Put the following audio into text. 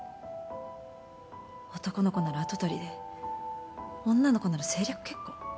男の子なら跡取りで女の子なら政略結婚？